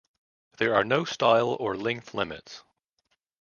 There are no style or length limits.